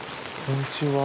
こんにちは。